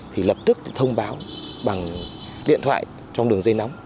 thì lập tức thông báo bằng điện thoại trong đường dây nóng